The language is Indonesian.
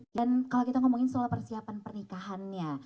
dan kalau kita ngomongin soal persiapan pernikahannya